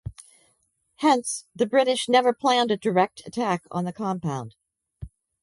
Hence, the British never planned a direct attack on the compound.